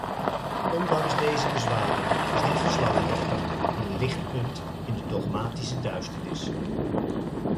Ondanks deze bezwaren is dit verslag echter een lichtpunt in de dogmatische duisternis.